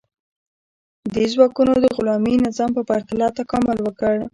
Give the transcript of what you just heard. دې ځواکونو د غلامي نظام په پرتله تکامل وکړ.